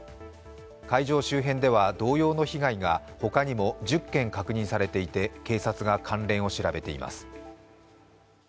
会場周辺では同様の被害が他にも１０件確認されていて警察が関連を調べています。